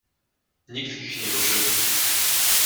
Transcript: Nikt ich nie ruszył.